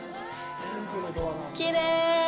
きれい。